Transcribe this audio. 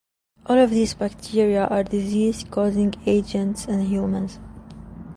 All of these bacteria are disease causing agents in humans.